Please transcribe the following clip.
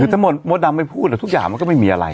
คือถ้ามดดำไม่พูดทุกอย่างมันก็ไม่มีอะไร